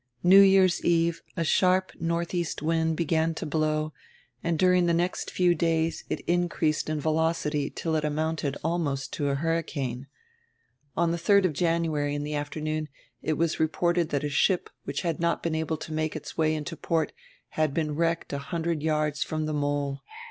New Year's eve a sharp northeast wind began to blow and dur ing die next few days it increased in velocity till it amounted almost to a hurricane. On die 3d of January in die after noon it was reported that a ship which had not been able to make its way into port had been wrecked a hundred yards from die mole.